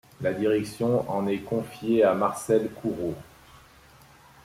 La direction en est confiée à Marcel Couraud.